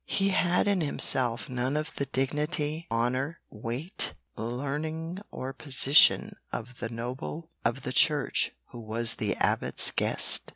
He had in himself none of the dignity, honour, weight, learning or position of the noble of the Church who was the Abbot's guest.